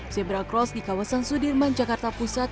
zebra cross di kawasan sudirman jakarta pusat